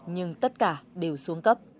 nhưng tất cả đều xuống cấp